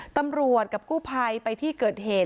ตำรวจกับกู้ภัยไปที่เกิดเหตุ